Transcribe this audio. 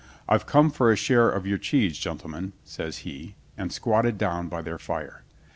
"I've come for a share of your cheese, gentlemen," says he, and squatted down by their fire.